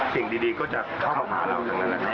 สิ่งดีก็จะเข้ามาหาเราอย่างนั้นแหละครับ